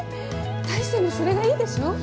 大聖もそれがいいでしょ？